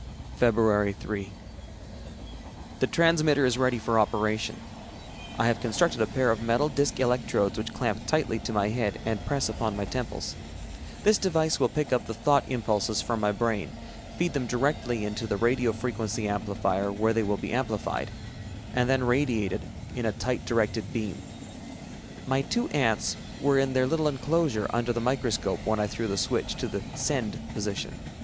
Feb. 3. The transmitter is ready for operation. I have constructed a pair of metal disc electrodes which clamp tightly to my head and press upon my temples. This device will pick up the thought impulses from my brain, feed them directly into the radio frequency amplifier, where they will be amplified, and then radiated in a tight directed beam. My two ants were in their little enclosure under the microscope when I threw the switch to the "send" position.